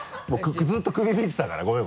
ずっと首見てたからごめん。